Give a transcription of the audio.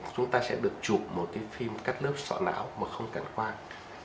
chúng ta sẽ được chụp một cái phim cắt lớp sọ não mà không cần khoan